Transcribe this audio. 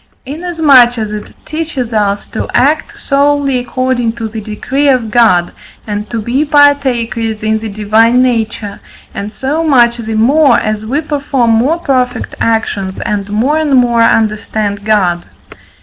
Inasmuch as it teaches us to act solely according to the decree of God, and to be partakers in the Divine nature, and so much the more, as we perform more perfect actions and more and more understand God.